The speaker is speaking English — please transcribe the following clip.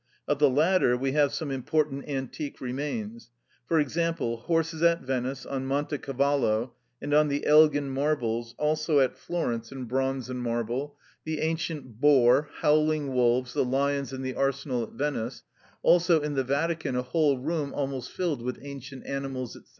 Of the latter we have some important antique remains; for example, horses at Venice, on Monte Cavallo, and on the Elgin Marbles, also at Florence in bronze and marble; the ancient boar, howling wolves, the lions in the arsenal at Venice, also in the Vatican a whole room almost filled with ancient animals, &c.